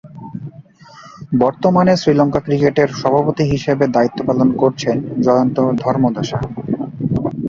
বর্তমানে শ্রীলঙ্কা ক্রিকেটের সভাপতি হিসেবে দায়িত্ব পালন করছেন জয়ন্ত ধর্মদাসা।